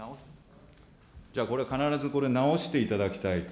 じゃあこれは必ず、これ直していただきたい。